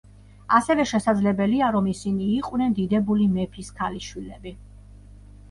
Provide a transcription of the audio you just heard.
ასევე შესაძლებელია, რომ ისინი იყვნენ დიდებული მეფის ქალიშვილები.